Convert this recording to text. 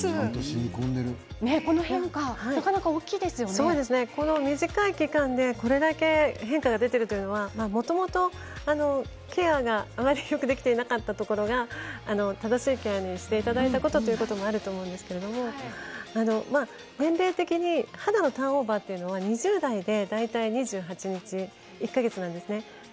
この変化短い期間でこれだけ変化が出ているというのはもともとケアが、あまりよくできていなかったところが正しいケアにしていただいたということもあると思いますけれども年齢的に肌のターンオーバーというのは２０代で大体２８日１か月なんですね。